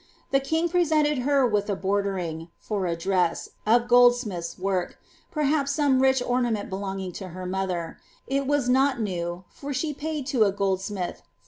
The king presented her with a bordering, for a dress, of goldsmith's work, periiaps some rich ornament belonging to her mother : it was not new, for she paid to a goldsmith 4